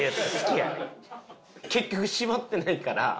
結局絞ってないから。